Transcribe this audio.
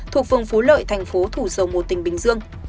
thuộc phường phú lợi tp thủ dâu một tỉnh bình dương